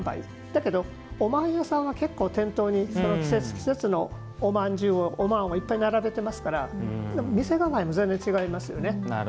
だけど、おまんやさんは店頭に、その季節季節のおまんをいっぱい並べてますから店構えも全然違いますよね。